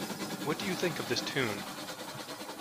What do you think of this Tune?